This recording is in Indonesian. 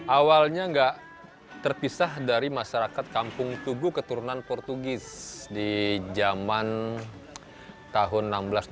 awalnya nggak terpisah dari masyarakat kampung tugu keturunan portugis di zaman tahun seribu enam ratus tujuh puluh